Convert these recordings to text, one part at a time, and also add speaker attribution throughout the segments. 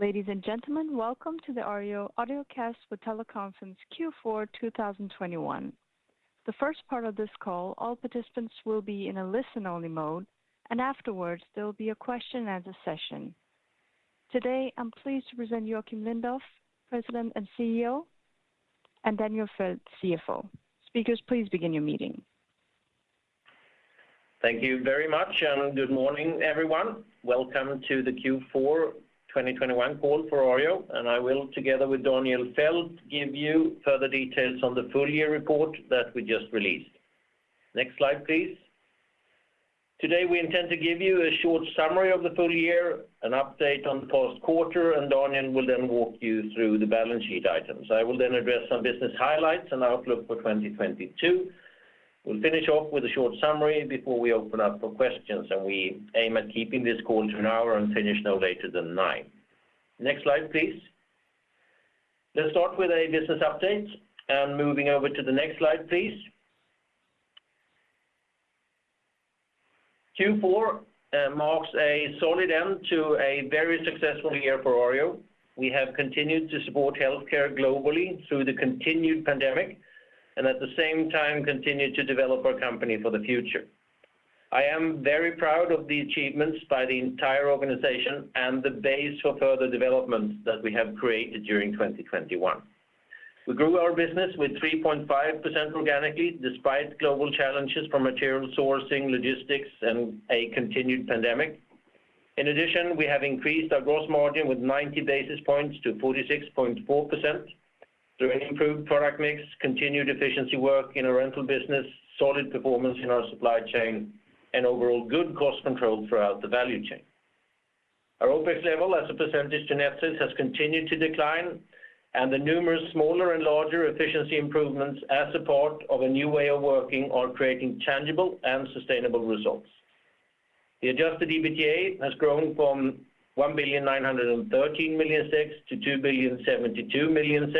Speaker 1: Ladies and gentlemen, welcome to the Arjo audiocast for teleconference Q4 2021. The first part of this call, all participants will be in a listen-only mode, and afterwards, there will be a question and a session. Today, I'm pleased to present Joacim Lindoff, President and CEO, and Daniel Fäldt, CFO. Speakers, please begin your meeting.
Speaker 2: Thank you very much, and good morning, everyone. Welcome to the Q4 2021 call for Arjo, and I will, together with Daniel Fäldt, give you further details on the full year report that we just released. Next slide, please. Today, we intend to give you a short summary of the full year, an update on the past quarter, and Daniel will then walk you through the balance sheet items. I will then address some business highlights and outlook for 2022. We'll finish off with a short summary before we open up for questions, and we aim at keeping this call to an hour and finish no later than nine. Next slide, please. Let's start with a business update and moving over to the next slide, please. Q4 marks a solid end to a very successful year for Arjo. We have continued to support healthcare globally through the continued pandemic, and at the same time, continue to develop our company for the future. I am very proud of the achievements by the entire organization and the base for further development that we have created during 2021. We grew our business with 3.5% organically, despite global challenges from material sourcing, logistics, and a continued pandemic. In addition, we have increased our gross margin with 90 basis points to 46.4% through an improved product mix, continued efficiency work in our rental business, solid performance in our supply chain, and overall good cost control throughout the value chain. Our OpEx level as a percentage of EPS has continued to decline, and the numerous smaller and larger efficiency improvements in support of a new way of working are creating tangible and sustainable results. The adjusted EBITDA has grown from 1.913 billion to 2.072 billion,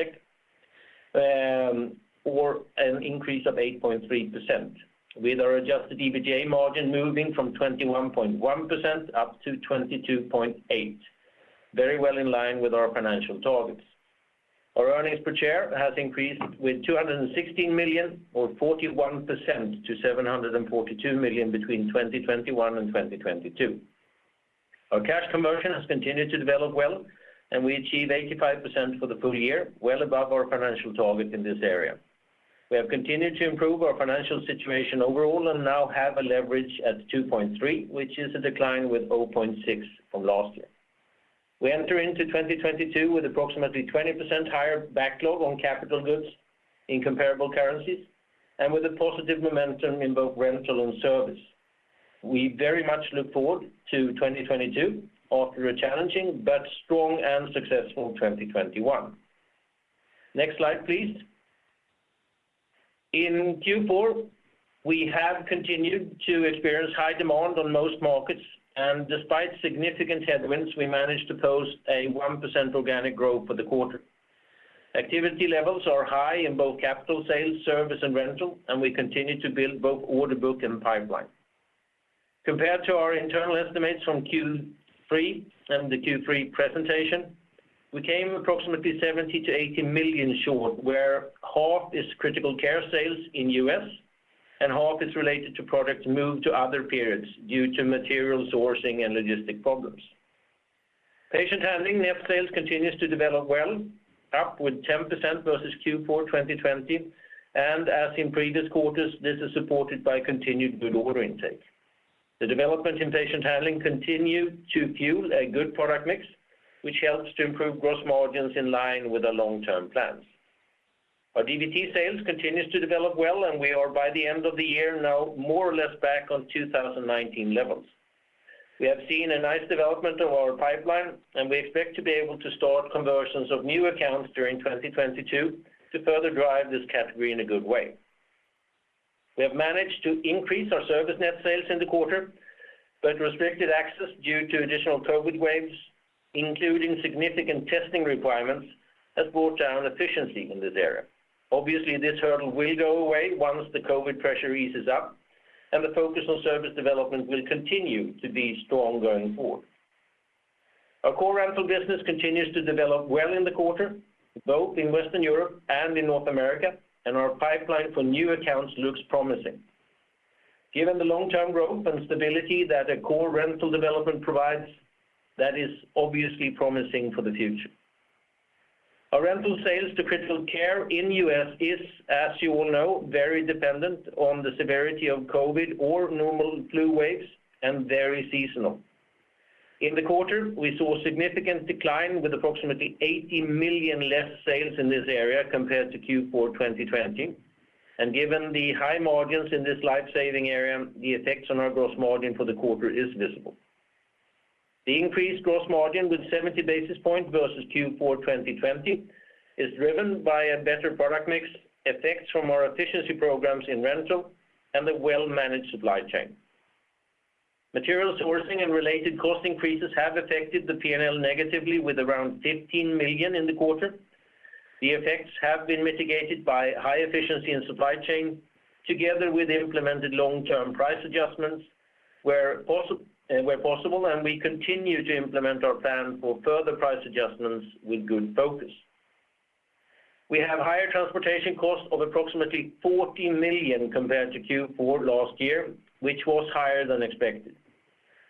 Speaker 2: or an increase of 8.3%. With our adjusted EBITDA margin moving from 21.1% up to 22.8%, very well in line with our financial targets. Our earnings per share has increased with 216 million or 41% to 742 million between 2021 and 2022. Our cash conversion has continued to develop well, and we achieve 85% for the full year, well above our financial target in this area. We have continued to improve our financial situation overall and now have a leverage at 2.3, which is a decline with 0.6 from last year. We enter into 2022 with approximately 20% higher backlog on capital goods in comparable currencies and with a positive momentum in both rental and service. We very much look forward to 2022 after a challenging but strong and successful 2021. Next slide, please. In Q4, we have continued to experience high demand on most markets, and despite significant headwinds, we managed to post a 1% organic growth for the quarter. Activity levels are high in both capital sales, service, and rental, and we continue to build both order book and pipeline. Compared to our internal estimates from Q3 and the Q3 presentation, we came approximately 70 million-80 million short, where half is critical care sales in U.S. and half is related to product move to other periods due to material sourcing and logistics problems. Patient Handling net sales continues to develop well, up 10% versus Q4 2020. As in previous quarters, this is supported by continued good order intake. The development in Patient Handling continue to fuel a good product mix, which helps to improve gross margins in line with our long-term plans. Our DVT sales continues to develop well, and we are by the end of the year now more or less back on 2019 levels. We have seen a nice development of our pipeline, and we expect to be able to start conversions of new accounts during 2022 to further drive this category in a good way. We have managed to increase our service net sales in the quarter, but restricted access due to additional COVID waves, including significant testing requirements, has brought down efficiency in this area. Obviously, this hurdle will go away once the COVID pressure eases up and the focus on service development will continue to be strong going forward. Our core rental business continues to develop well in the quarter, both in Western Europe and in North America, and our pipeline for new accounts looks promising. Given the long-term growth and stability that a core rental development provides, that is obviously promising for the future. Our rental sales to critical care in U.S. is, as you all know, very dependent on the severity of COVID or normal flu waves and very seasonal. In the quarter, we saw a significant decline with approximately 80 million less sales in this area compared to Q4 2020. Given the high margins in this life-saving area, the effects on our gross margin for the quarter is visible. The increased gross margin with 70 basis points versus Q4 2020 is driven by a better product mix, effects from our efficiency programs in rental, and a well-managed supply chain. Material sourcing and related cost increases have affected the P&L negatively with around 15 million in the quarter. The effects have been mitigated by high efficiency in supply chain, together with implemented long-term price adjustments where possible, and we continue to implement our plan for further price adjustments with good focus. We have higher transportation costs of approximately 40 million compared to Q4 last year, which was higher than expected.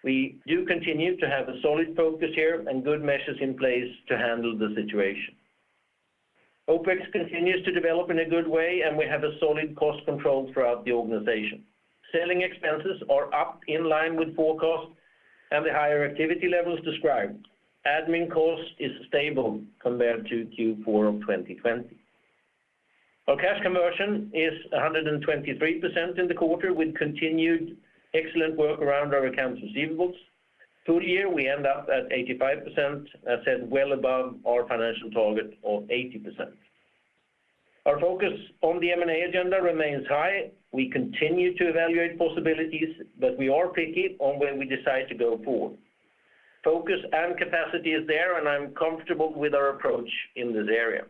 Speaker 2: We do continue to have a solid focus here and good measures in place to handle the situation. OpEx continues to develop in a good way, and we have a solid cost control throughout the organization. Selling expenses are up in line with forecast and the higher activity levels described. Admin cost is stable compared to Q4 of 2020. Our cash conversion is 123% in the quarter, with continued excellent work around our accounts receivables. Full year, we end up at 85%, as said, well above our financial target of 80%. Our focus on the M&A agenda remains high. We continue to evaluate possibilities, but we are picky on where we decide to go forward. Focus and capacity is there, and I'm comfortable with our approach in this area.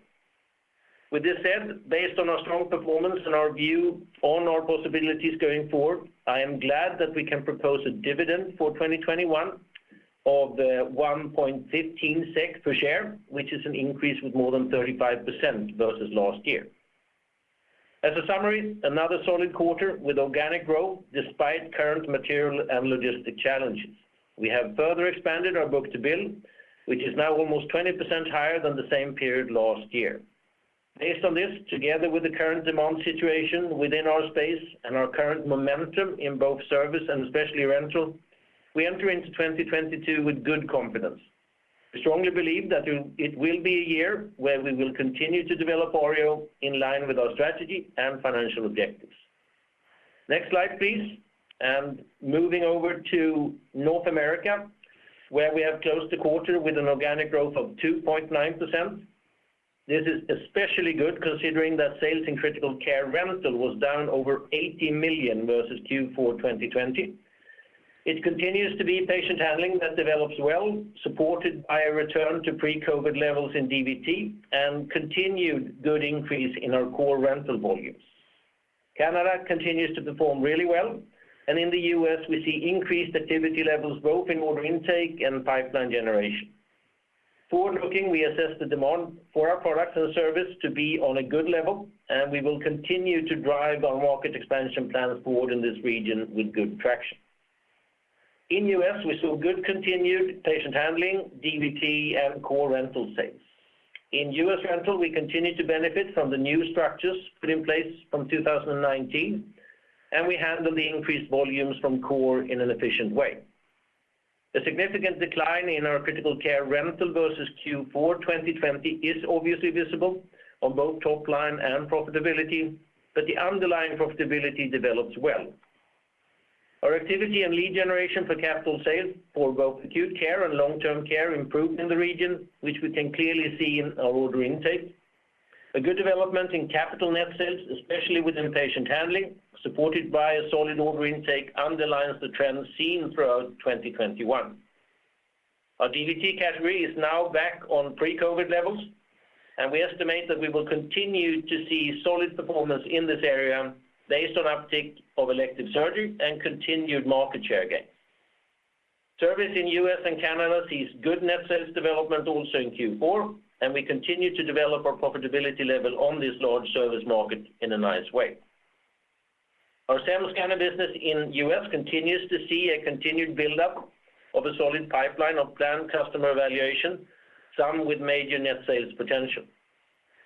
Speaker 2: With this said, based on our strong performance and our view on our possibilities going forward, I am glad that we can propose a dividend for 2021 of 1.15 SEK per share, which is an increase with more than 35% versus last year. As a summary, another solid quarter with organic growth despite current material and logistic challenges. We have further expanded our book-to-bill, which is now almost 20% higher than the same period last year. Based on this, together with the current demand situation within our space and our current momentum in both service and especially rental, we enter into 2022 with good confidence. We strongly believe that it will be a year where we will continue to develop Arjo in line with our strategy and financial objectives. Next slide, please. Moving over to North America, where we have closed the quarter with an organic growth of 2.9%. This is especially good considering that sales in critical care rental was down over 80 million versus Q4 2020. It continues to be patient handling that develops well, supported by a return to pre-COVID levels in DVT and continued good increase in our core rental volumes. Canada continues to perform really well, and in the U.S., we see increased activity levels both in order intake and pipeline generation. Forward-looking, we assess the demand for our products and service to be on a good level, and we will continue to drive our market expansion plans forward in this region with good traction. In U.S., we saw good continued Patient Handling, DVT and core rental sales. In U.S. rental, we continue to benefit from the new structures put in place from 2019, and we handle the increased volumes from core in an efficient way. A significant decline in our critical care rental versus Q4 2020 is obviously visible on both top line and profitability, but the underlying profitability develops well. Our activity and lead generation for capital sales for both acute care and long-term care improved in the region, which we can clearly see in our order intake. A good development in capital net sales, especially within patient handling, supported by a solid order intake underlines the trends seen throughout 2021. Our DVT category is now back on pre-COVID levels, and we estimate that we will continue to see solid performance in this area based on uptick of elective surgery and continued market share gain. Service in U.S. and Canada sees good net sales development also in Q4, and we continue to develop our profitability level on this large service market in a nice way. Our SEM scanner business in U.S. continues to see a continued buildup of a solid pipeline of planned customer evaluation, some with major net sales potential.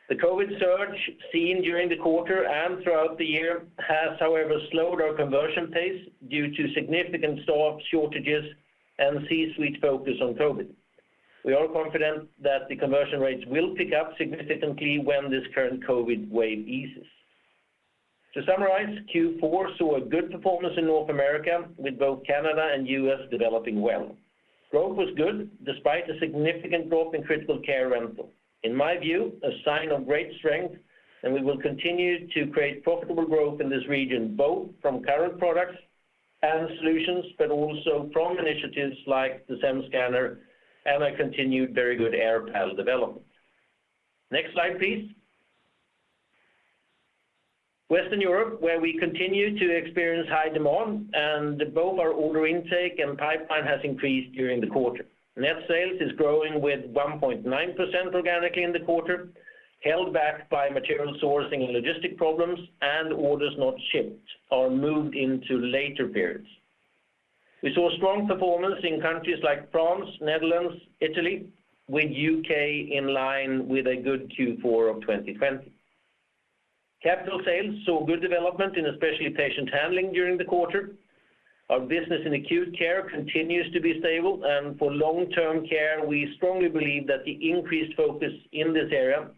Speaker 2: The COVID surge seen during the quarter and throughout the year has, however, slowed our conversion pace due to significant stock shortages and C-suite focus on COVID. We are confident that the conversion rates will pick up significantly when this current COVID wave eases. To summarize, Q4 saw a good performance in North America, with both Canada and U.S. developing well. Growth was good despite a significant drop in critical care rental. In my view, a sign of great strength, and we will continue to create profitable growth in this region, both from current products and solutions, but also from initiatives like the SEM scanner and a continued very good AirPal development. Next slide, please. Western Europe, where we continue to experience high demand and both our order intake and pipeline has increased during the quarter. Net sales is growing with 1.9% organically in the quarter, held back by material sourcing and logistic problems and orders not shipped or moved into later periods. We saw strong performance in countries like France, Netherlands, Italy, with U.K. in line with a good Q4 of 2020. Capital sales saw good development in especially Patient Handling during the quarter. Our business in Acute Care continues to be stable, and for Long-Term Care, we strongly believe that the increased focus in this area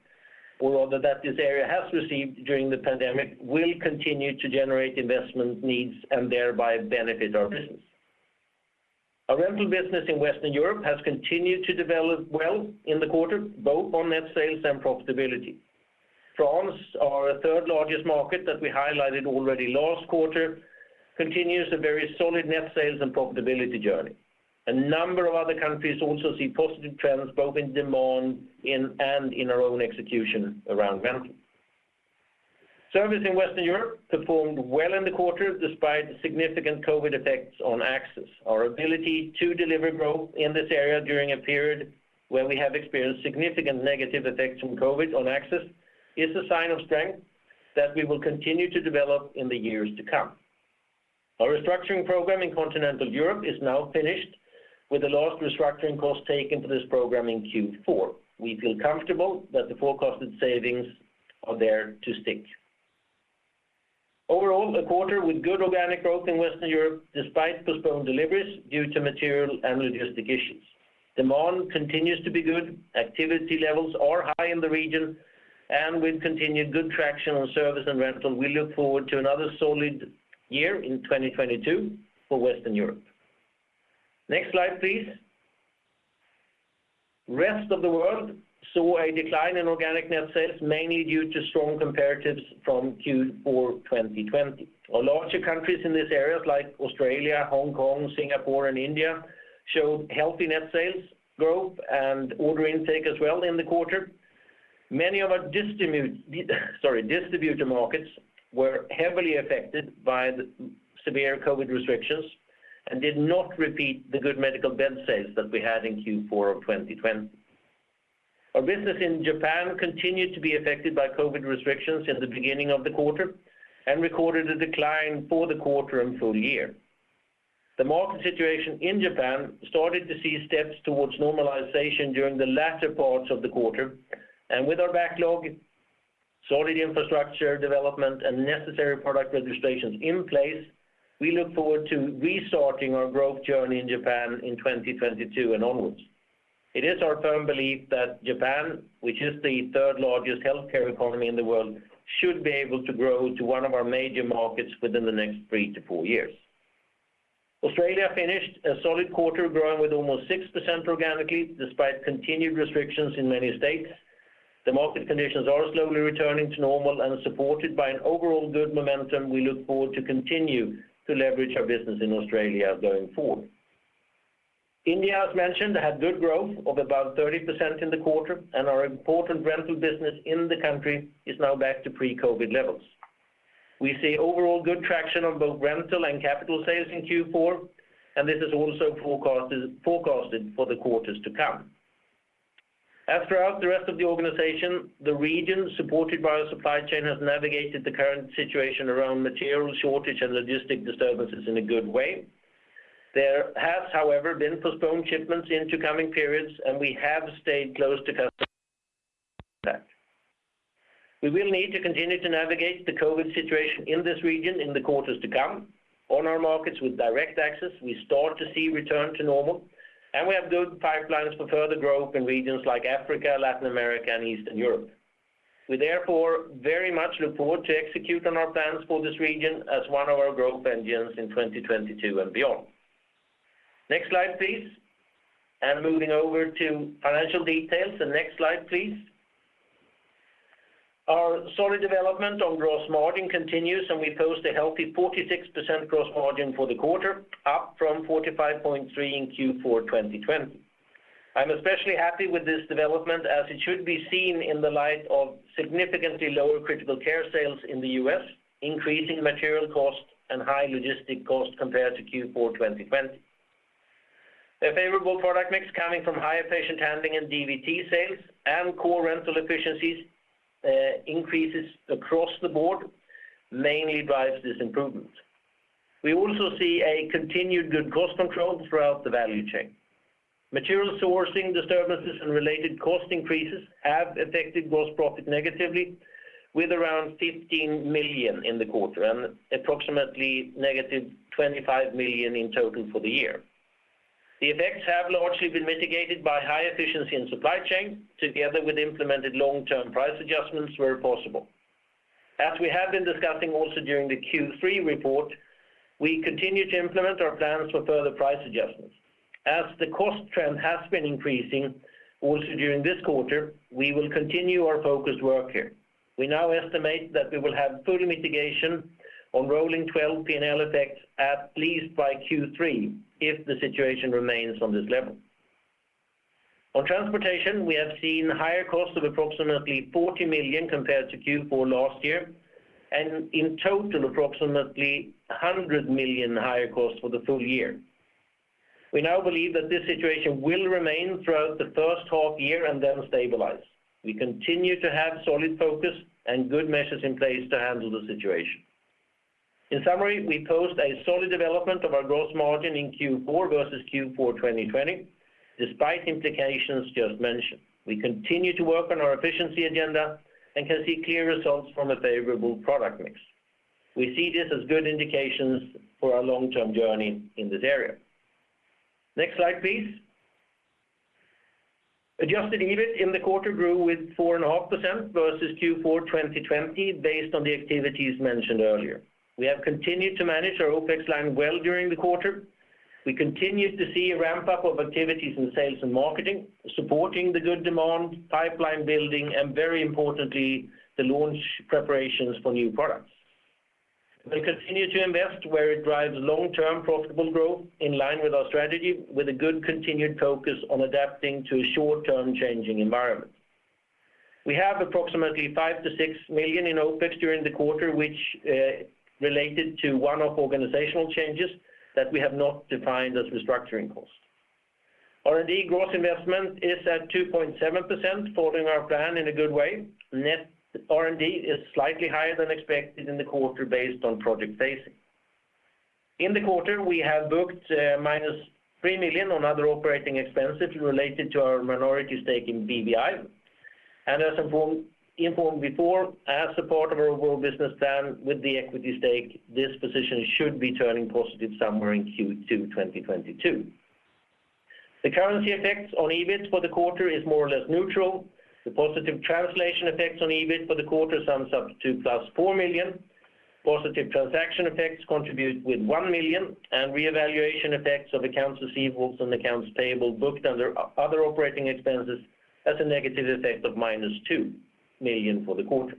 Speaker 2: or rather that this area has received during the pandemic will continue to generate investment needs and thereby benefit our business. Our rental business in Western Europe has continued to develop well in the quarter, both on net sales and profitability. France, our third largest market that we highlighted already last quarter, continues a very solid net sales and profitability journey. A number of other countries also see positive trends, both in demand and in our own execution around rental. Service in Western Europe performed well in the quarter despite significant COVID effects on access. Our ability to deliver growth in this area during a period where we have experienced significant negative effects from COVID on access is a sign of strength that we will continue to develop in the years to come. Our restructuring program in continental Europe is now finished with the last restructuring costs taken for this program in Q4. We feel comfortable that the forecasted savings are there to stick. Overall, a quarter with good organic growth in Western Europe, despite postponed deliveries due to material and logistics issues. Demand continues to be good. Activity levels are high in the region, and with continued good traction on service and rental, we look forward to another solid year in 2022 for Western Europe. Next slide, please. Rest of the world saw a decline in organic net sales, mainly due to strong comparatives from Q4 2020. Our larger countries in this area like Australia, Hong Kong, Singapore, and India showed healthy net sales growth and order intake as well in the quarter. Many of our distributor markets were heavily affected by the severe COVID restrictions and did not repeat the good medical bed sales that we had in Q4 of 2020. Our business in Japan continued to be affected by COVID restrictions in the beginning of the quarter and recorded a decline for the quarter and full year. The market situation in Japan started to see steps towards normalization during the latter parts of the quarter. With our backlog, solid infrastructure development, and necessary product registrations in place, we look forward to restarting our growth journey in Japan in 2022 and onward. It is our firm belief that Japan, which is the third largest healthcare economy in the world, should be able to grow to one of our major markets within the next 3-4 years. Australia finished a solid quarter growing with almost 6% organically, despite continued restrictions in many states. The market conditions are slowly returning to normal and are supported by an overall good momentum. We look forward to continue to leverage our business in Australia going forward. India, as mentioned, had good growth of about 30% in the quarter, and our important rental business in the country is now back to pre-COVID levels. We see overall good traction on both rental and capital sales in Q4, and this is also forecasted for the quarters to come. Throughout the rest of the organization, the region supported by our supply chain has navigated the current situation around material shortage and logistical disturbances in a good way. There has, however, been postponed shipments into coming periods, and we have stayed close to customers. We will need to continue to navigate the COVID situation in this region in the quarters to come. On our markets with direct access, we start to see return to normal, and we have good pipelines for further growth in regions like Africa, Latin America, and Eastern Europe. We therefore very much look forward to execute on our plans for this region as one of our growth engines in 2022 and beyond. Next slide, please. Moving over to financial details. The next slide, please. Our solid development on gross margin continues, and we post a healthy 46% gross margin for the quarter, up from 45.3% in Q4 2020. I'm especially happy with this development as it should be seen in the light of significantly lower critical care sales in the U.S., increasing material costs, and high logistic costs compared to Q4 2020. A favorable product mix coming from higher Patient Handling and DVT sales and core rental efficiencies, increases across the board mainly drives this improvement. We also see a continued good cost control throughout the value chain. Material sourcing disturbances and related cost increases have affected gross profit negatively with around 15 million in the quarter and approximately negative 25 million in total for the year. The effects have largely been mitigated by high efficiency in supply chain, together with implemented long-term price adjustments where possible. We have been discussing also during the Q3 report, we continue to implement our plans for further price adjustments. The cost trend has been increasing also during this quarter, we will continue our focused work here. We now estimate that we will have full mitigation on rolling twelve P&L effects at least by Q3 if the situation remains on this level. On transportation, we have seen higher costs of approximately 40 million compared to Q4 last year, and in total, approximately 100 million higher costs for the full year. We now believe that this situation will remain throughout the first half year and then stabilize. We continue to have solid focus and good measures in place to handle the situation. In summary, we post a solid development of our gross margin in Q4 versus Q4 2020, despite implications just mentioned. We continue to work on our efficiency agenda and can see clear results from a favorable product mix. We see this as good indications for our long-term journey in this area. Next slide, please. Adjusted EBIT in the quarter grew 4.5% versus Q4 2020 based on the activities mentioned earlier. We have continued to manage our OpEx line well during the quarter. We continued to see a ramp up of activities in sales and marketing, supporting the good demand, pipeline building, and very importantly, the launch preparations for new products. We continue to invest where it drives long-term profitable growth in line with our strategy, with a good continued focus on adapting to a short-term changing environment. We have approximately 5 million-6 million in OpEx during the quarter, which related to one-off organizational changes that we have not defined as restructuring costs. R&D gross investment is at 2.7%, following our plan in a good way. Net R&D is slightly higher than expected in the quarter based on project phasing. In the quarter, we have booked -3 million on other operating expenses related to our minority stake in BBI. As informed before, as support of our overall business plan with the equity stake, this position should be turning positive somewhere in Q2 2022. The currency effects on EBIT for the quarter is more or less neutral. The positive translation effects on EBIT for the quarter sums up to +4 million. Positive transaction effects contribute with 1 million, and reevaluation effects of accounts receivables and accounts payable booked under other operating expenses as a negative effect of -2 million for the quarter.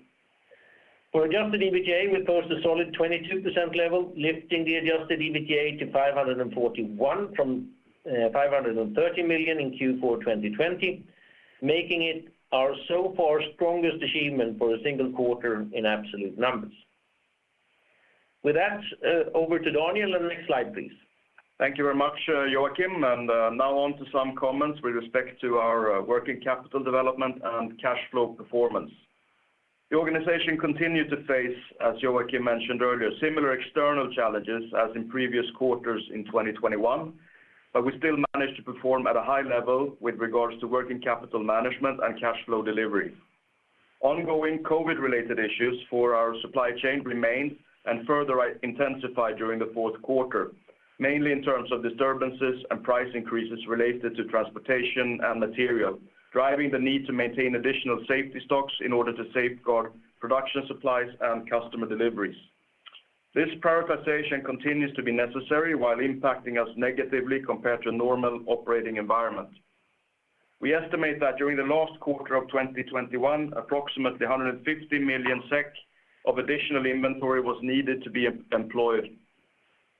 Speaker 2: For adjusted EBITDA, we post a solid 22% level, lifting the adjusted EBITDA to 541 from 530 million in Q4 2020, making it our so far strongest achievement for a single quarter in absolute numbers. With that, over to Daniel, the next slide, please.
Speaker 3: Thank you very much, Joacim, and now on to some comments with respect to our working capital development and cash flow performance. The organization continued to face, as Joacim mentioned earlier, similar external challenges as in previous quarters in 2021, but we still managed to perform at a high level with regards to working capital management and cash flow delivery. Ongoing COVID-related issues for our supply chain remained and further intensified during the Q4, mainly in terms of disturbances and price increases related to transportation and material, driving the need to maintain additional safety stocks in order to safeguard production supplies and customer deliveries. This prioritization continues to be necessary while impacting us negatively compared to a normal operating environment. We estimate that during the last quarter of 2021, approximately 150 million SEK of additional inventory was needed to be employed.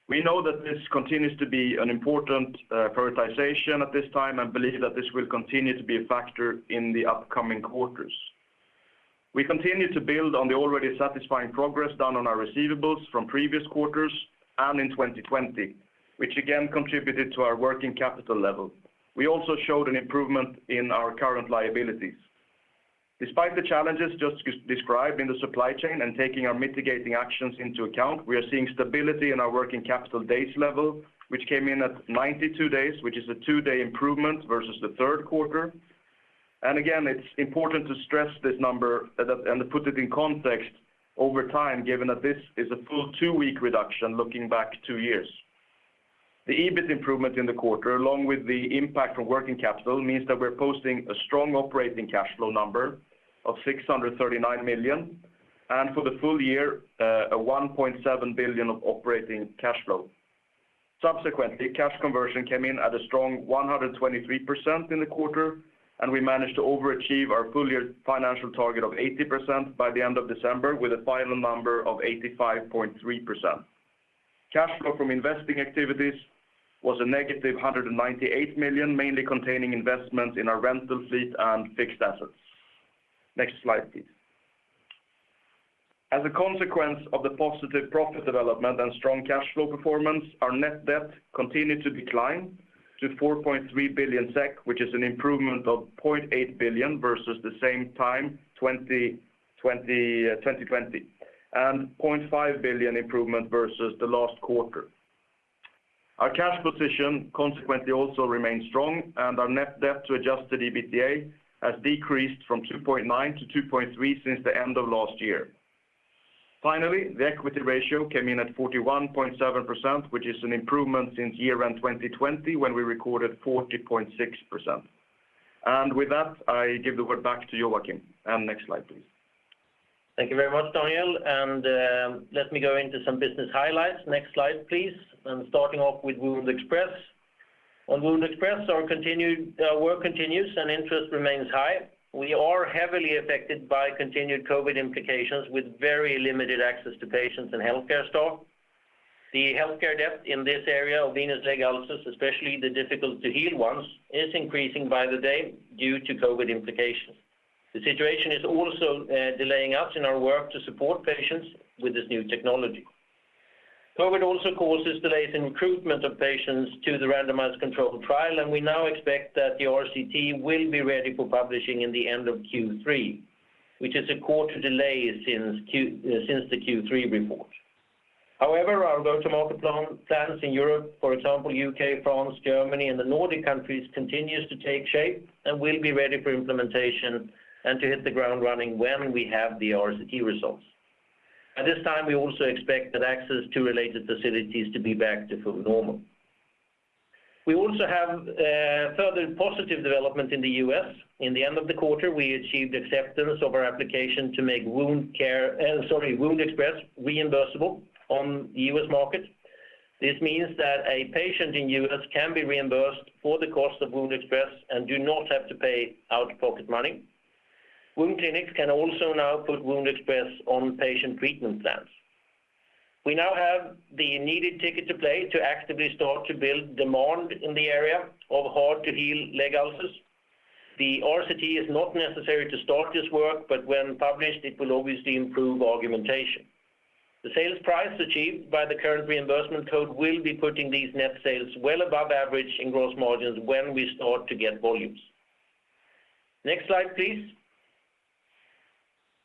Speaker 3: We know that this continues to be an important prioritization at this time and believe that this will continue to be a factor in the upcoming quarters. We continue to build on the already satisfying progress done on our receivables from previous quarters and in 2020, which again contributed to our working capital level. We also showed an improvement in our current liabilities. Despite the challenges just described in the supply chain and taking our mitigating actions into account, we are seeing stability in our working capital days level, which came in at 92 days, which is a 2-day improvement versus the Q3. Again, it's important to stress this number and put it in context over time, given that this is a full 2-week reduction looking back 2 years. The EBIT improvement in the quarter, along with the impact from working capital, means that we're posting a strong operating cash flow number of 639 million, and for the full year, a 1.7 billion of operating cash flow. Subsequently, cash conversion came in at a strong 123% in the quarter, and we managed to overachieve our full year financial target of 80% by the end of December with a final number of 85.3%. Cash flow from investing activities was a negative 198 million, mainly containing investments in our rental fleet and fixed assets. Next slide, please. As a consequence of the positive profit development and strong cash flow performance, our net debt continued to decline to 4.3 billion SEK, which is an improvement of 0.8 billion versus the same time 2020, and 0.5 billion improvement versus the last quarter. Our cash position consequently also remains strong, and our net debt to adjusted EBITDA has decreased from 2.9 to 2.3 since the end of last year. Finally, the equity ratio came in at 41.7%, which is an improvement since year-end 2020, when we recorded 40.6%. With that, I give the word back to Joacim. Next slide, please.
Speaker 2: Thank you very much, Daniel. Let me go into some business highlights. Next slide, please. Starting off with WoundExpress. On WoundExpress, our continued work continues and interest remains high. We are heavily affected by continued COVID implications with very limited access to patients and healthcare staff. The healthcare debt in this area of venous leg ulcers, especially the difficult to heal ones, is increasing by the day due to COVID implications. The situation is also delaying us in our work to support patients with this new technology. COVID also causes delays in recruitment of patients to the randomized controlled trial, and we now expect that the RCT will be ready for publication in the end of Q3, which is a quarter delay since the Q3 report. However, our go-to-market plan, plans in Europe, for example, U.K., France, Germany, and the Nordic countries, continues to take shape and will be ready for implementation and to hit the ground running when we have the RCT results. At this time, we also expect that access to related facilities to be back to full normal. We also have further positive development in the U.S. At the end of the quarter, we achieved acceptance of our application to make WoundExpress reimbursable on the U.S. market. This means that a patient in the U.S. can be reimbursed for the cost of WoundExpress and do not have to pay out-of-pocket money. Wound clinics can also now put WoundExpress on patient treatment plans. We now have the needed ticket to play to actively start to build demand in the area of hard to heal leg ulcers. The RCT is not necessary to start this work, but when published, it will obviously improve argumentation. The sales price achieved by the current reimbursement code will be putting these net sales well above average in gross margins when we start to get volumes. Next slide, please.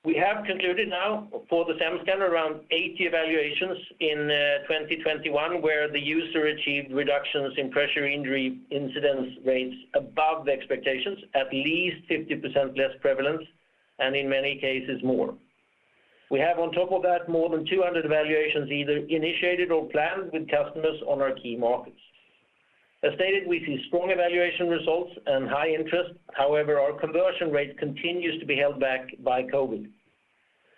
Speaker 2: We have concluded now for the Provizio SEM Scanner around 80 evaluations in 2021, where the user achieved reductions in pressure injury incidence rates above the expectations, at least 50% less prevalent, and in many cases more. We have on top of that, more than 200 evaluations either initiated or planned with customers on our key markets. As stated, we see strong evaluation results and high interest. However, our conversion rate continues to be held back by COVID.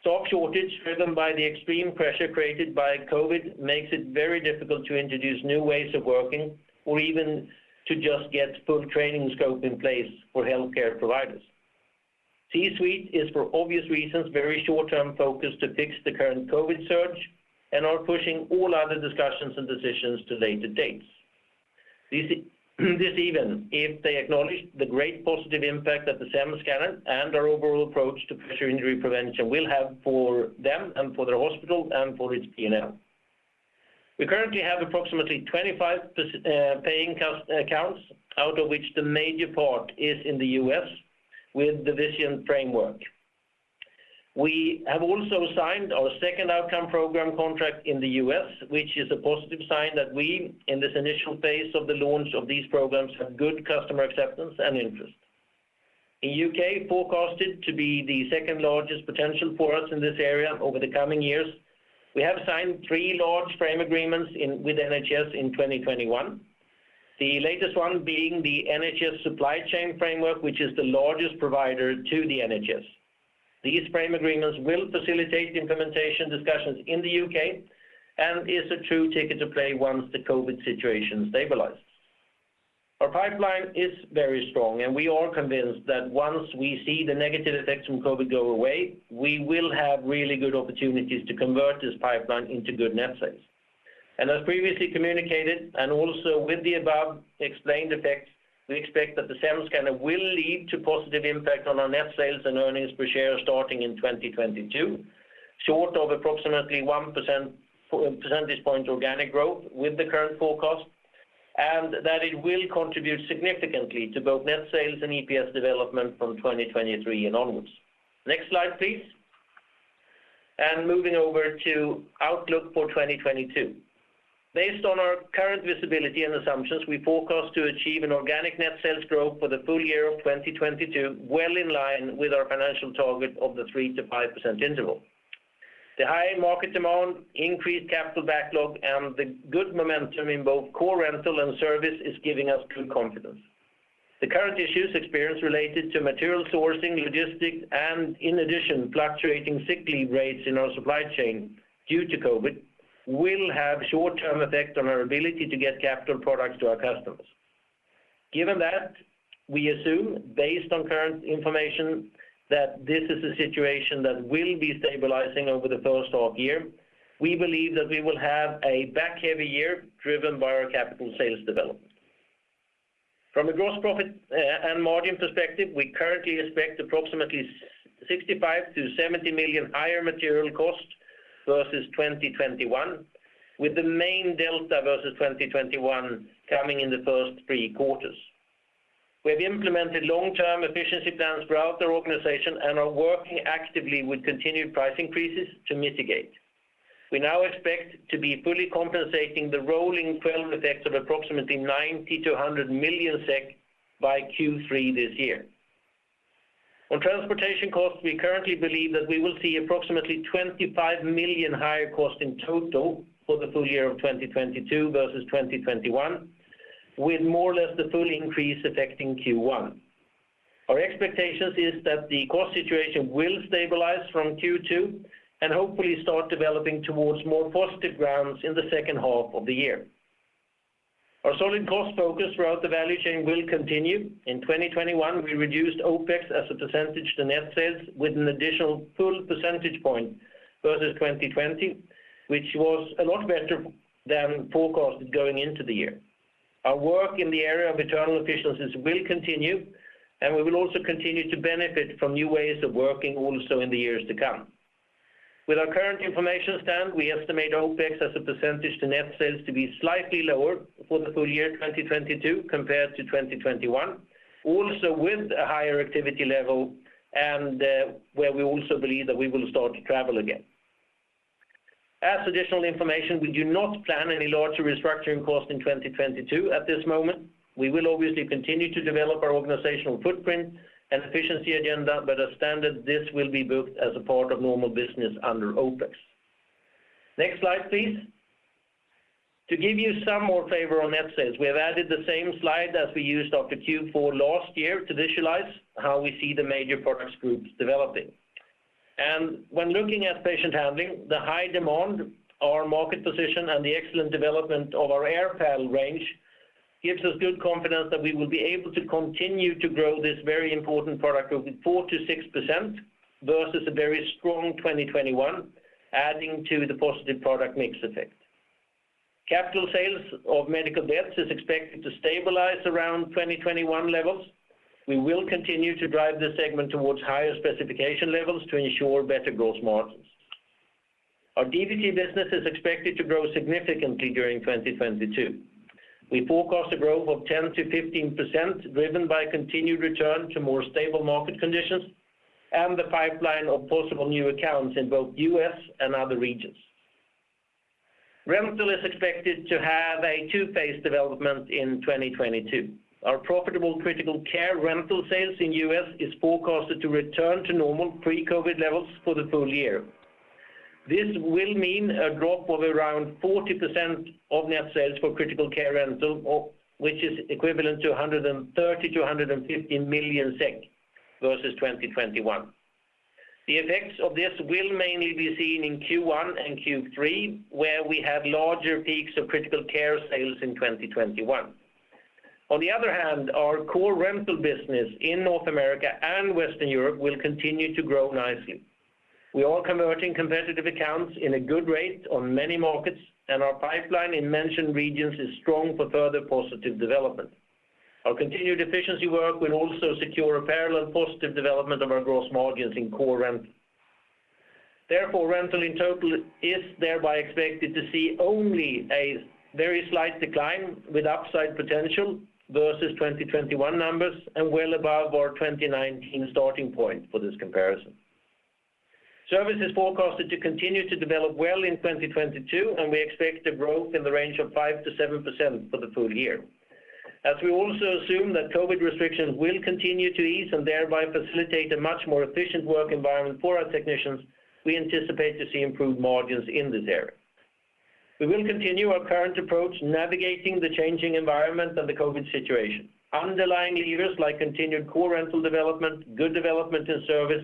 Speaker 2: Stock shortage, driven by the extreme pressure created by COVID, makes it very difficult to introduce new ways of working or even to just get full training scope in place for healthcare providers. C-suite is for obvious reasons very short-term focused to fix the current COVID surge and are pushing all other discussions and decisions to later dates. This even if they acknowledge the great positive impact that the SEM scanner and our overall approach to pressure injury prevention will have for them and for their hospital and for its P&L. We currently have approximately 25 paying accounts, out of which the major part is in the U.S. with the vision framework. We have also signed our second outcome program contract in the U.S., which is a positive sign that we, in this initial phase of the launch of these programs, have good customer acceptance and interest. In U.K., forecasted to be the second largest potential for us in this area over the coming years, we have signed three large frame agreements in with NHS in 2021. The latest one being the NHS Supply Chain framework, which is the largest provider to the NHS. These frame agreements will facilitate implementation discussions in the U.K. and is a true ticket to play once the COVID situation stabilizes. Our pipeline is very strong, and we are convinced that once we see the negative effects from COVID go away, we will have really good opportunities to convert this pipeline into good net sales. As previously communicated, and also with the above explained effects, we expect that the SEM scanner will lead to positive impact on our net sales and earnings per share starting in 2022, short of approximately one percentage point organic growth with the current forecast, and that it will contribute significantly to both net sales and EPS development from 2023 and onwards. Next slide, please. Moving over to outlook for 2022. Based on our current visibility and assumptions, we forecast to achieve an organic net sales growth for the full year of 2022, well in line with our financial target of the 3%-5% interval. The high market demand, increased capital backlog, and the good momentum in both core rental and service is giving us good confidence. The current issues experienced related to material sourcing, logistics, and in addition, fluctuating sick leave rates in our supply chain due to COVID, will have short-term effect on our ability to get capital products to our customers. Given that, we assume based on current information, that this is a situation that will be stabilizing over the first half year. We believe that we will have a back-heavy year driven by our capital sales development. From a gross profit and margin perspective, we currently expect approximately 65 million-70 million higher material costs versus 2021, with the main delta versus 2021 coming in the first three quarters. We have implemented long-term efficiency plans throughout our organization and are working actively with continued price increases to mitigate. We now expect to be fully compensating the rolling twelve effects of approximately 90 million-100 million SEK by Q3 this year. On transportation costs, we currently believe that we will see approximately 25 million higher cost in total for the full year of 2022 versus 2021, with more or less the full increase affecting Q1. Our expectations is that the cost situation will stabilize from Q2 and hopefully start developing towards more positive grounds in the second half of the year. Our solid cost focus throughout the value chain will continue. In 2021, we reduced OpEx as a percentage to net sales with an additional 1 percentage point versus 2020, which was a lot better than forecasted going into the year. Our work in the area of internal efficiencies will continue, and we will also continue to benefit from new ways of working also in the years to come. With our current information standpoint, we estimate OpEx as a percentage to net sales to be slightly lower for the full year 2022 compared to 2021, also with a higher activity level and, where we also believe that we will start to travel again. As additional information, we do not plan any larger restructuring costs in 2022 at this moment. We will obviously continue to develop our organizational footprint and efficiency agenda, but as standard, this will be booked as a part of normal business under OpEx. Next slide, please. To give you some more favor on net sales, we have added the same slide as we used after Q4 last year to visualize how we see the major product groups developing. When looking at Patient Handling, the high demand, our market position, and the excellent development of our AirPal range gives us good confidence that we will be able to continue to grow this very important product of 4%-6% versus a very strong 2021 adding to the positive product mix effect. Capital sales of medical beds is expected to stabilize around 2021 levels. We will continue to drive this segment towards higher specification levels to ensure better growth margins. Our DVT business is expected to grow significantly during 2022. We forecast a growth of 10%-15% driven by continued return to more stable market conditions and the pipeline of possible new accounts in both U.S. and other regions. Rental is expected to have a two-phase development in 2022. Our profitable critical care rental sales in U.S. is forecasted to return to normal pre-COVID levels for the full year. This will mean a drop of around 40% of net sales for critical care rental, or which is equivalent to 130 million-150 million SEK versus 2021. The effects of this will mainly be seen in Q1 and Q3, where we have larger peaks of critical care sales in 2021. On the other hand, our core rental business in North America and Western Europe will continue to grow nicely. We are converting competitive accounts at a good rate on many markets, and our pipeline in mentioned regions is strong for further positive development. Our continued efficiency work will also secure a parallel positive development of our gross margins in core rental. Therefore, rental in total is thereby expected to see only a very slight decline with upside potential versus 2021 numbers, and well above our 2019 starting point for this comparison. Service is forecasted to continue to develop well in 2022, and we expect a growth in the range of 5%-7% for the full year. As we also assume that COVID restrictions will continue to ease and thereby facilitate a much more efficient work environment for our technicians, we anticipate to see improved margins in this area. We will continue our current approach navigating the changing environment and the COVID situation. Underlying levers like continued core rental development, good development in service,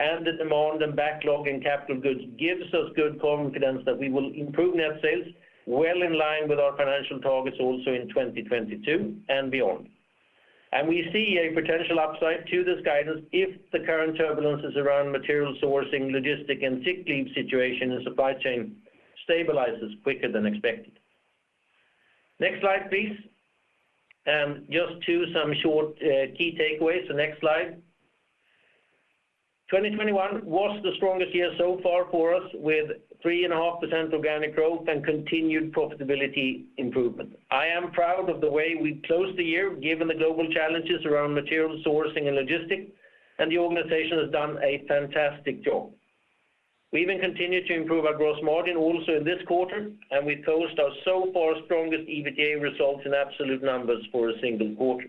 Speaker 2: and the demand and backlog in capital goods gives us good confidence that we will improve net sales well in line with our financial targets also in 2022 and beyond. We see a potential upside to this guidance if the current turbulence around material sourcing, logistics, and sick leave situation and supply chain stabilizes quicker than expected. Next slide, please. Just two short key takeaways. Next slide. 2021 was the strongest year so far for us with 3.5% organic growth and continued profitability improvement. I am proud of the way we closed the year given the global challenges around material sourcing and logistics, and the organization has done a fantastic job. We even continued to improve our gross margin also in this quarter, and we've closed our so far strongest EBITDA results in absolute numbers for a single quarter.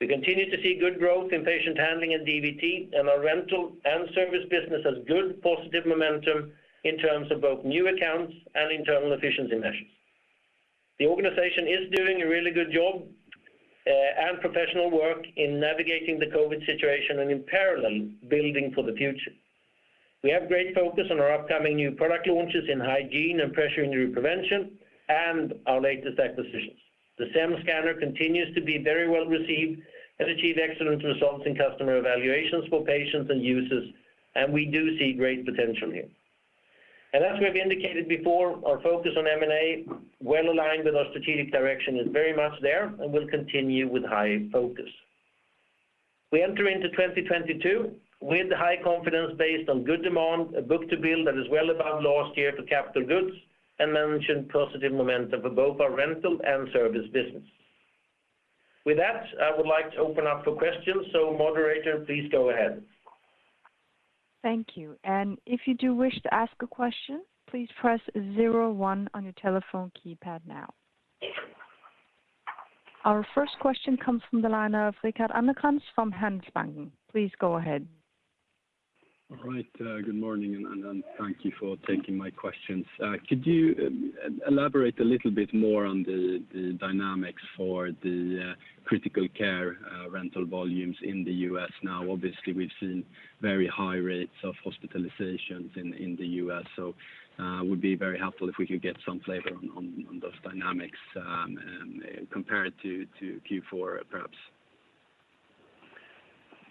Speaker 2: We continue to see good growth in Patient Handling and DVT, and our rental and service business has good positive momentum in terms of both new accounts and internal efficiency measures. The organization is doing a really good job and professional work in navigating the COVID situation and in parallel building for the future. We have great focus on our upcoming new product launches in Hygiene and pressure injury prevention and our latest acquisitions. The SEM Scanner continues to be very well received and achieve excellent results in customer evaluations for patients and users, and we do see great potential here. As we have indicated before, our focus on M&A, well aligned with our strategic direction, is very much there and will continue with high focus. We enter into 2022 with high confidence based on good demand, a book-to-bill that is well above last year for capital goods, and mentioned positive momentum for both our rental and service business. With that, I would like to open up for questions. Moderator, please go ahead.
Speaker 1: Thank you. If you do wish to ask a question, please press zero one on your telephone keypad now. Our first question comes from the line of Rickard Anderkrans from Handelsbanken. Please go ahead.
Speaker 4: All right. Good morning and thank you for taking my questions. Could you elaborate a little bit more on the dynamics for the critical care rental volumes in the U.S. now? Obviously, we've seen very high rates of hospitalizations in the U.S., so would be very helpful if we could get some flavor on those dynamics compared to Q4 perhaps.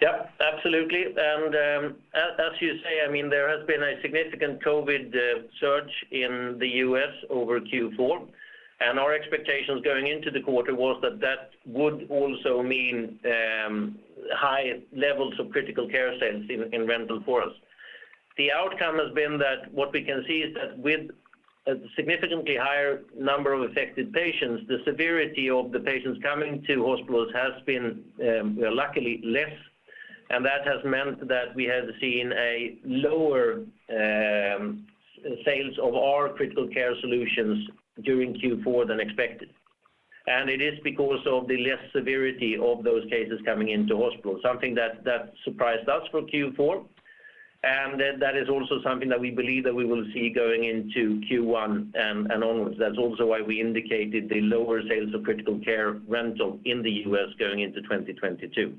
Speaker 2: Yeah, absolutely. As you say, I mean, there has been a significant COVID surge in the U.S. over Q4. Our expectations going into the quarter was that that would also mean high levels of critical care sales in rental for us. The outcome has been that what we can see is that with a significantly higher number of affected patients, the severity of the patients coming to hospitals has been luckily less. That has meant that we have seen a lower sales of our critical care solutions during Q4 than expected. It is because of the less severity of those cases coming into hospital, something that surprised us for Q4. That is also something that we believe that we will see going into Q1 and onwards. That's also why we indicated the lower sales of critical care rental in the U.S. going into 2022.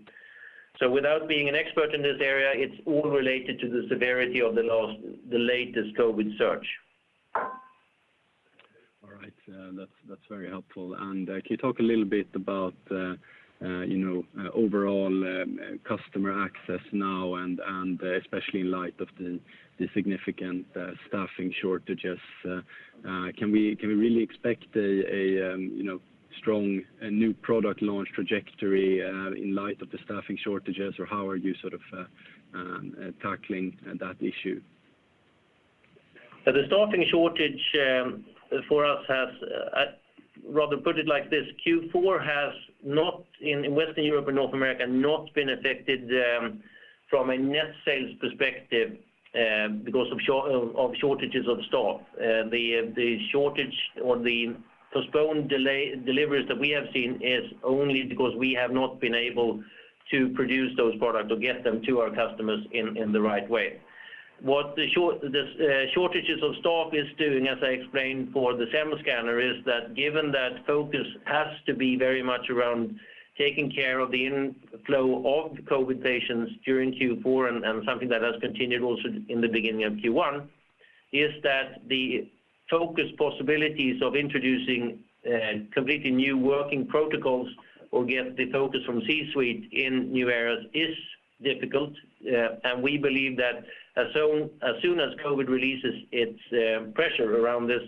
Speaker 2: Without being an expert in this area, it's all related to the severity of the latest COVID surge.
Speaker 4: All right. That's very helpful. Can you talk a little bit about you know overall customer access now and especially in light of the significant staffing shortages, can we really expect a you know strong new product launch trajectory in light of the staffing shortages? Or how are you sort of tackling that issue?
Speaker 2: I'd rather put it like this. Q4 has not, in Western Europe and North America, not been affected from a net sales perspective because of shortages of staff. The shortage or the postponed delay in deliveries that we have seen is only because we have not been able to produce those products or get them to our customers in the right way. What the shortages of staff is doing, as I explained for the SEM Scanner, is that given that focus has to be very much around taking care of the inflow of the COVID patients during Q4, and something that has continued also in the beginning of Q1, is that the focus possibilities of introducing completely new working protocols or get the focus from C-suite in new areas is difficult. We believe that as soon as COVID releases its pressure around this,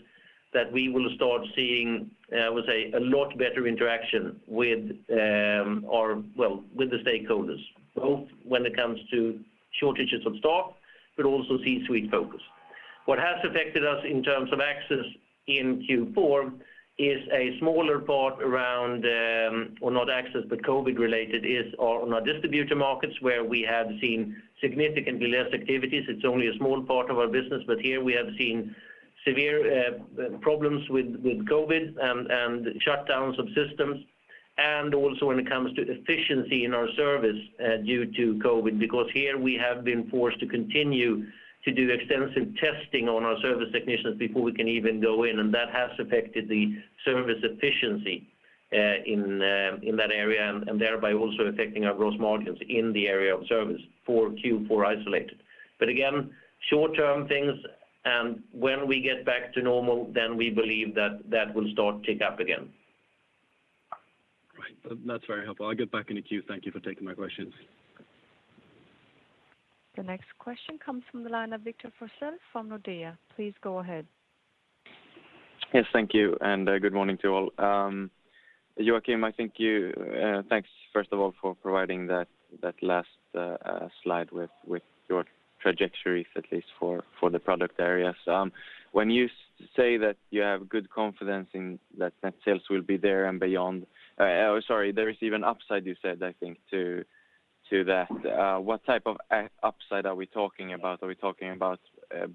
Speaker 2: that we will start seeing, I would say, a lot better interaction with, well, with the stakeholders, both when it comes to shortages of staff, but also C-suite focus. What has affected us in terms of access in Q4 is a smaller part around. or not access, but COVID-related is our distributor markets, where we have seen significantly less activities. It's only a small part of our business, but here we have seen severe problems with COVID and shutdowns of systems, and also when it comes to efficiency in our service due to COVID. Because here we have been forced to continue to do extensive testing on our service technicians before we can even go in, and that has affected the service efficiency in that area and thereby also affecting our gross margins in the area of service for Q4 isolated. But again, short-term things, and when we get back to normal, then we believe that will start tick up again.
Speaker 4: Right. That's very helpful. I'll get back in the queue. Thank you for taking my questions.
Speaker 1: The next question comes from the line of Victor Forssell from Nordea. Please go ahead.
Speaker 5: Yes, thank you, and good morning to all. Joacim, thanks, first of all, for providing that last slide with your trajectories, at least for the product areas. When you say that you have good confidence in that net sales will be there and beyond, sorry, there is even upside, you said, I think, to that. What type of upside are we talking about? Are we talking about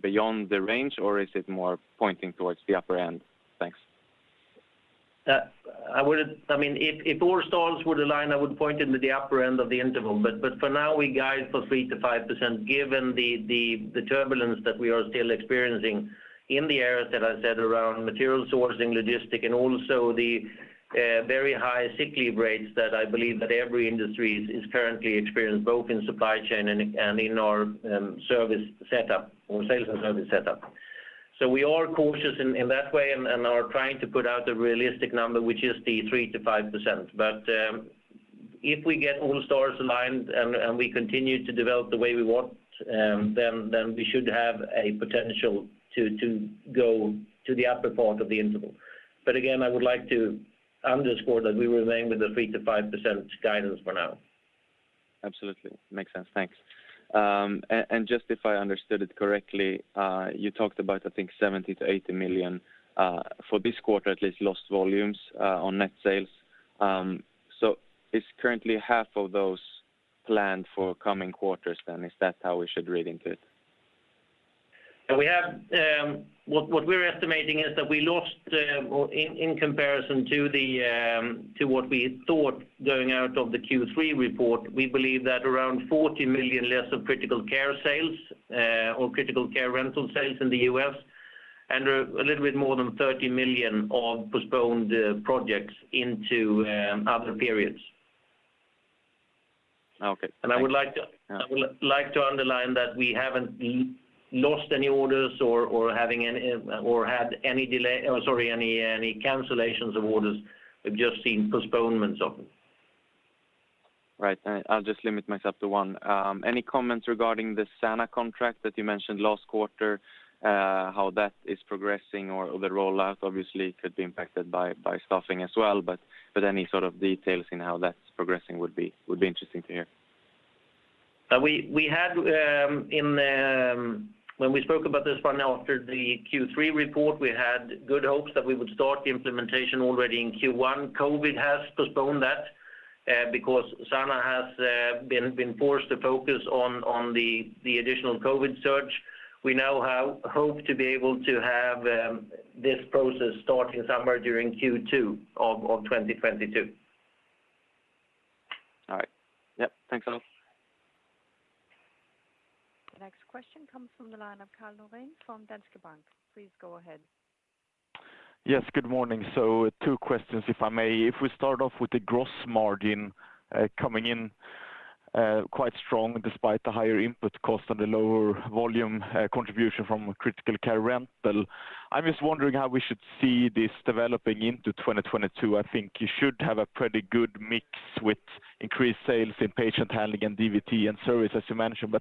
Speaker 5: beyond the range, or is it more pointing towards the upper end? Thanks.
Speaker 2: I mean, if all stars were to align, I would point to the upper end of the interval. For now, we guide for 3%-5% given the turbulence that we are still experiencing in the areas that I said around material sourcing, logistics, and also the very high sick leave rates that I believe every industry is currently experiencing, both in supply chain and in our service setup or sales and service setup. We are cautious in that way and are trying to put out a realistic number, which is the 3%-5%. If we get all stars aligned and we continue to develop the way we want, then we should have a potential to go to the upper part of the interval. Again, I would like to underscore that we remain with the 3%-5% guidance for now.
Speaker 5: Absolutely. Makes sense. Thanks. And just if I understood it correctly, you talked about, I think, 70 million-80 million for this quarter, at least, lost volumes on net sales. Is currently half of those planned for coming quarters then? Is that how we should read into it?
Speaker 2: We have what we're estimating is that we lost, or in comparison to what we thought going out of the Q3 report, we believe that around 40 million less of critical care sales, or critical care rental sales in the U.S. and a little bit more than 30 million of postponed projects into other periods.
Speaker 5: Okay.
Speaker 2: I would like to.
Speaker 5: Yeah.
Speaker 2: I would like to underline that we haven't lost any orders or any cancellations of orders. We've just seen postponements of them.
Speaker 5: Right. I'll just limit myself to one. Any comments regarding the Sana contract that you mentioned last quarter, how that is progressing or the rollout obviously could be impacted by staffing as well. Any sort of details in how that's progressing would be interesting to hear.
Speaker 2: When we spoke about this one after the Q3 report, we had good hopes that we would start the implementation already in Q1. COVID has postponed that because Sana has been forced to focus on the additional COVID surge. We now have hope to be able to have this process starting somewhere during Q2 of 2022.
Speaker 5: All right. Yep. Thanks a lot.
Speaker 1: The next question comes from the line of Karl Norén from Danske Bank. Please go ahead.
Speaker 6: Yes. Good morning. Two questions, if I may. If we start off with the gross margin coming in quite strong despite the higher input cost and the lower volume contribution from critical care rental. I'm just wondering how we should see this developing into 2022. I think you should have a pretty good mix with increased sales in Patient Handling and DVT and service, as you mentioned.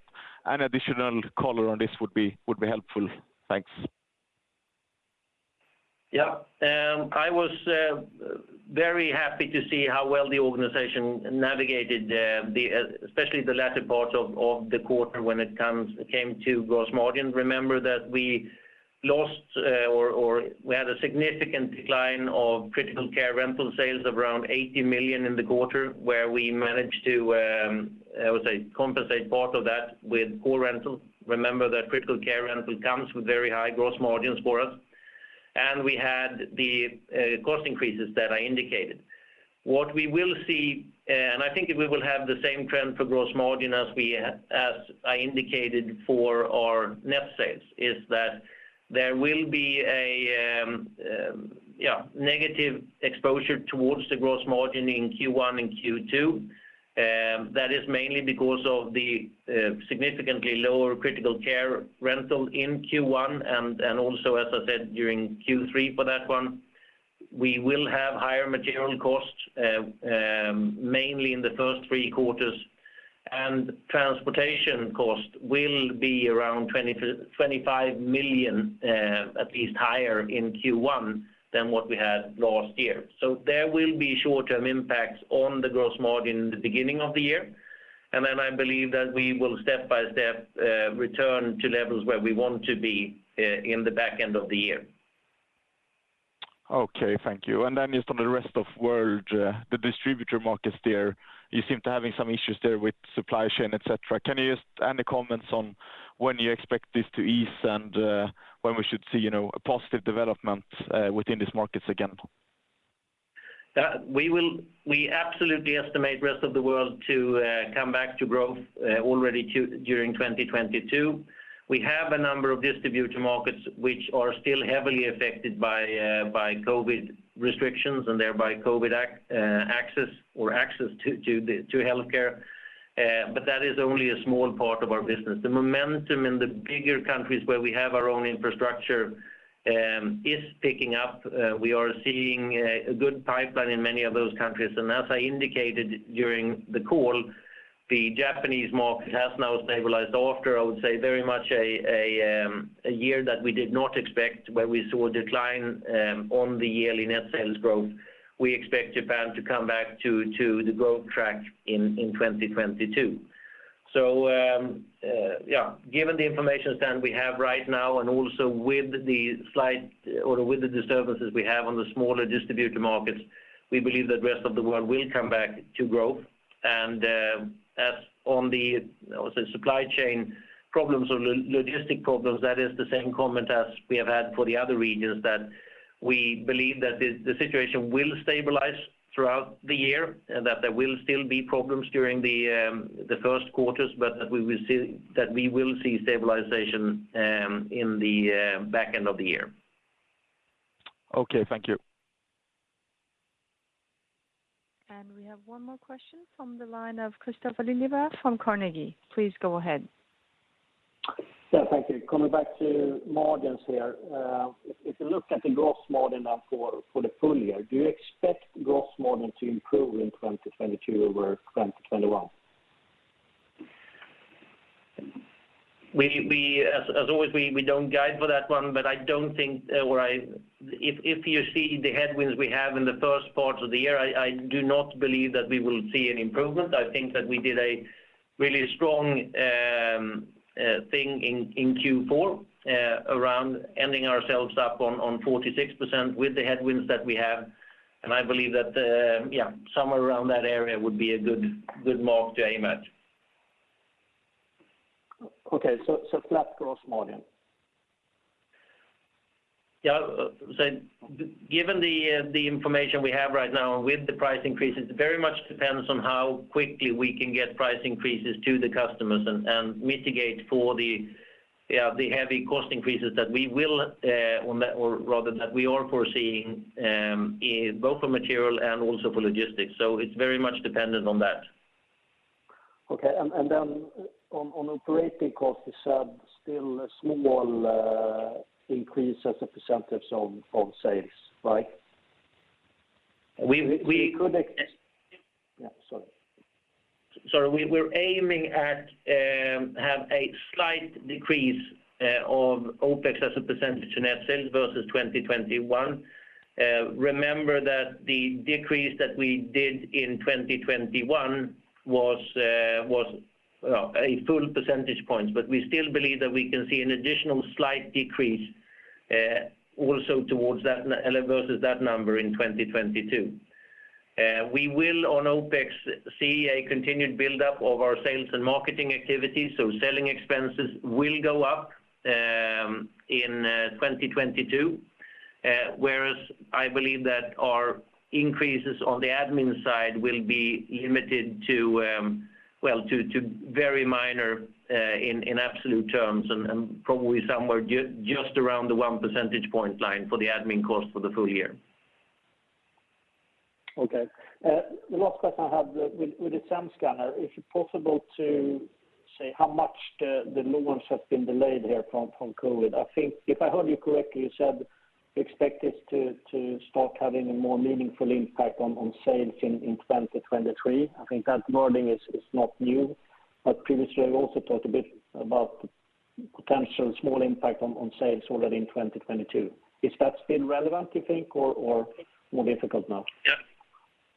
Speaker 6: An additional color on this would be helpful. Thanks.
Speaker 2: Yeah. I was very happy to see how well the organization navigated especially the latter part of the quarter when it came to gross margin. Remember that we lost or we had a significant decline of critical care rental sales of around 80 million in the quarter where we managed to I would say compensate part of that with core rental. Remember that critical care rental comes with very high gross margins for us, and we had the cost increases that I indicated. What we will see, and I think we will have the same trend for gross margin as I indicated for our net sales, is that there will be a negative exposure towards the gross margin in Q1 and Q2. That is mainly because of the significantly lower critical care rental in Q1, and also, as I said, during Q3 for that one. We will have higher material costs, mainly in the first three quarters. Transportation costs will be around 20 million-25 million higher, at least in Q1 than what we had last year. There will be short-term impacts on the gross margin in the beginning of the year. I believe that we will step by step return to levels where we want to be in the back end of the year.
Speaker 6: Okay. Thank you. Just on the rest of world, the distributor markets there, you seem to having some issues there with supply chain, et cetera. Can you just add any comments on when you expect this to ease and, when we should see, you know, a positive development, within these markets again?
Speaker 2: We absolutely estimate rest of the world to come back to growth already during 2022. We have a number of distributor markets which are still heavily affected by COVID restrictions and thereby COVID access to healthcare. But that is only a small part of our business. The momentum in the bigger countries where we have our own infrastructure is picking up. We are seeing a good pipeline in many of those countries. As I indicated during the call, the Japanese market has now stabilized after, I would say, very much a year that we did not expect where we saw a decline on the yearly net sales growth. We expect Japan to come back to the growth track in 2022. Given the information standpoint we have right now and also with the disturbances we have on the smaller distributor markets, we believe that rest of the world will come back to growth. As for the supply chain problems or logistic problems, that is the same comment as we have had for the other regions, that we believe that the situation will stabilize throughout the year, and that there will still be problems during the Q1s, but that we will see stabilization in the back end of the year.
Speaker 6: Okay. Thank you.
Speaker 1: We have one more question from the line of Kristofer Liljeberg-Svensson from Carnegie. Please go ahead.
Speaker 7: Yeah, thank you. Coming back to margins here. If you look at the gross margin now for the full year, do you expect gross margin to improve in 2022 over 2021?
Speaker 2: As always, we don't guide for that one, but I don't think if you see the headwinds we have in the first part of the year, I do not believe that we will see an improvement. I think that we did a really strong thing in Q4 around ending up on 46% with the headwinds that we have. I believe that somewhere around that area would be a good mark to aim at.
Speaker 7: Okay. Flat gross margin.
Speaker 2: Yeah. Given the information we have right now with the price increases, it very much depends on how quickly we can get price increases to the customers and mitigate for the heavy cost increases that we are foreseeing in both for material and also for logistics. It's very much dependent on that.
Speaker 7: Okay. On operating costs, you said still a small increase as a percentage of sales, right?
Speaker 2: We
Speaker 7: Yeah. Sorry.
Speaker 2: Sorry. We're aiming to have a slight decrease of OpEx as a percentage of net sales versus 2021. Remember that the decrease that we did in 2021 was four percentage points, but we still believe that we can see an additional slight decrease also versus that number in 2022. We will on OpEx see a continued buildup of our sales and marketing activities, so selling expenses will go up in 2022. Whereas I believe that our increases on the admin side will be limited to well, to very minor in absolute terms and probably somewhere just around the one percentage point line for the admin cost for the full year.
Speaker 7: Okay. The last question I have with the SEM Scanner, is it possible to say how much the launch has been delayed here from COVID? I think if I heard you correctly, you said you expect this to start having a more meaningful impact on sales in 2023. I think that wording is not new. Previously, you also talked a bit about potential small impact on sales already in 2022. Is that still relevant you think, or more difficult now?
Speaker 2: Yeah.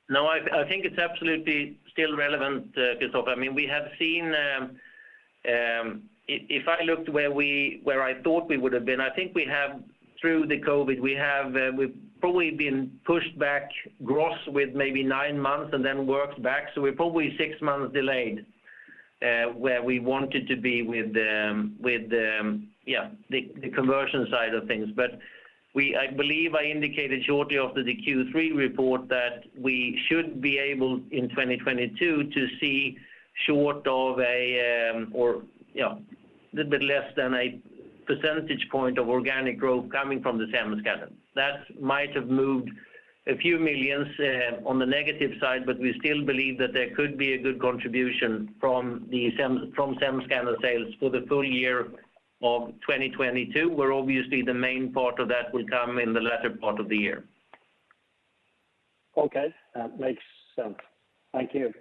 Speaker 2: No, I think it's absolutely still relevant, because I mean, we have seen. If I looked where I thought we would have been, I think we have, through the COVID, we've probably been pushed back roughly with maybe nine months and then worked back. We're probably six months delayed, where we wanted to be with the conversion side of things. But I believe I indicated shortly after the Q3 report that we should be able in 2022 to see short of a, or, you know, a little bit less than a percentage point of organic growth coming from the SEM scanner. That might have moved SEK a few million on the negative side, but we still believe that there could be a good contribution from the SEM, from SEM scanner sales for the full year of 2022, where obviously the main part of that will come in the latter part of the year.
Speaker 7: Okay. That makes sense. Thank you.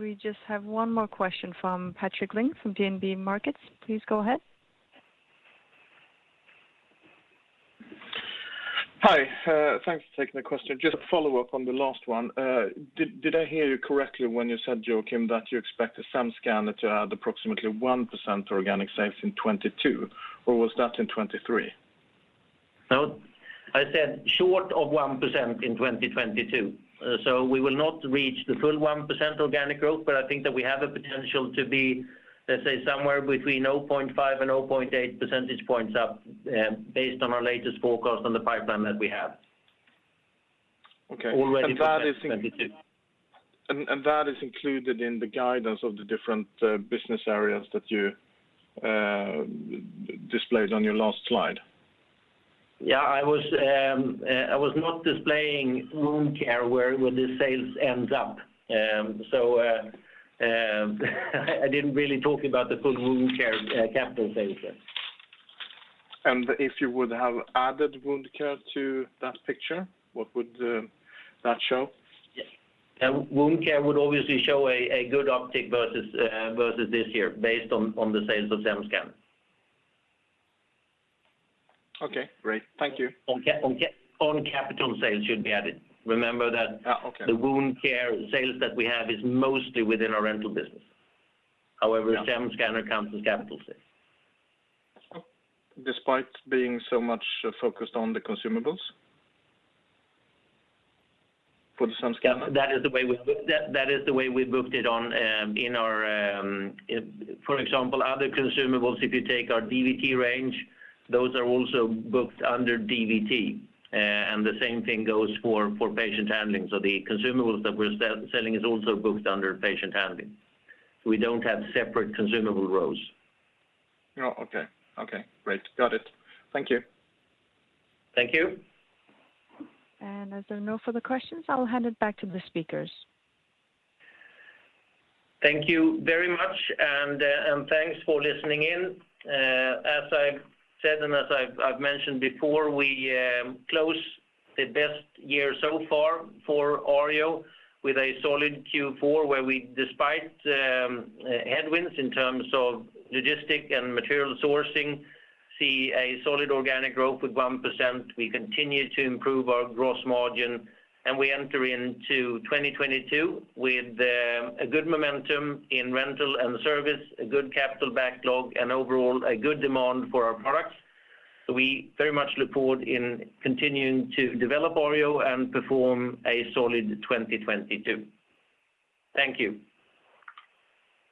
Speaker 1: We just have one more question from Patrik Ling from DNB Markets. Please go ahead.
Speaker 8: Hi, thanks for taking the question. Just a follow-up on the last one. Did I hear you correctly when you said, Joacim, that you expect the SEM scanner to add approximately 1% organic sales in 2022, or was that in 2023?
Speaker 2: No, I said short of 1% in 2022. We will not reach the full 1% organic growth, but I think that we have a potential to be, let's say, somewhere between 0.5 and 0.8 percentage points up, based on our latest forecast on the pipeline that we have.
Speaker 8: Okay.
Speaker 2: Already-
Speaker 8: That is included in the guidance of the different business areas that you displayed on your last slide?
Speaker 2: Yeah, I was not displaying Wound Care where the sales ends up. I didn't really talk about the full Wound Care capital sales.
Speaker 8: If you would have added Wound Care to that picture, what would that show?
Speaker 2: Wound Care would obviously show a good uptick versus this year based on the sales of SEM Scanner.
Speaker 8: Okay, great. Thank you.
Speaker 2: On capital sales should be added. Remember that.
Speaker 8: Okay.
Speaker 2: The Wound Care sales that we have is mostly within our rental business. However,
Speaker 8: Yeah.
Speaker 2: SEM Scanner counts as capital sales.
Speaker 8: Despite being so much focused on the consumables?
Speaker 2: For the SEM scanner? That is the way we booked it on in our. For example, other consumables, if you take our DVT range, those are also booked under DVT. The same thing goes for Patient Handling. The consumables that we're selling is also booked under Patient Handling. We don't have separate consumable rows.
Speaker 8: Oh, okay. Okay, great. Got it. Thank you.
Speaker 2: Thank you.
Speaker 1: As there are no further questions, I'll hand it back to the speakers.
Speaker 2: Thank you very much, and thanks for listening in. As I've said and as I've mentioned before, we close the best year so far for Arjo with a solid Q4, where we, despite headwinds in terms of logistics and material sourcing, see a solid organic growth with 1%. We continue to improve our gross margin, and we enter into 2022 with a good momentum in rental and service, a good capital backlog, and overall a good demand for our products. We very much look forward in continuing to develop Arjo and perform a solid 2022. Thank you.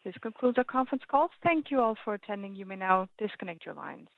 Speaker 1: This concludes our conference call. Thank you all for attending. You may now disconnect your lines.